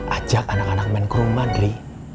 ajak anak anak men ke rumah indri